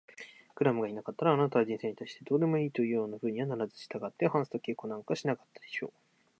クラムがいなかったら、あなたは人生に対してどうでもいいというようなふうにはならず、したがってハンスと結婚なんかしなかったでしょう。